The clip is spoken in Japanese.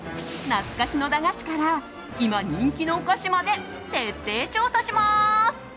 懐かしの駄菓子から今、人気のお菓子まで徹底調査します。